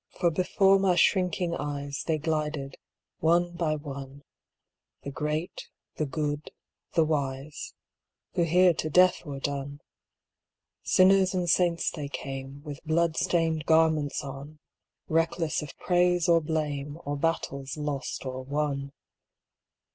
For before my shrinking eyes They glided, one by one, The great, the good, the wise, Who here to death were done ; Sinners and saints they came With blood stained garments on, Reckless of praise or blame. Or battles lost or won.